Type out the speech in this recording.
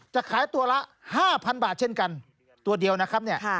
จะขายตัวละ๕๐๐บาทเช่นกันตัวเดียวนะครับเนี่ย